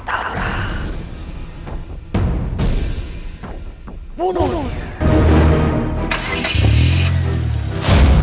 kita coba ng prowin lalu suara yangchau titik abangganti nihee